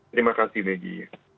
terima kasih meji